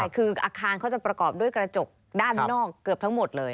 คืออาคารเขาจะประกอบด้วยกระจกด้านนอกเกือบทั้งหมดเลย